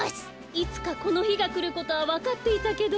いつかこのひがくることはわかっていたけど。